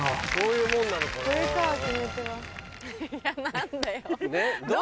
いや何でよ。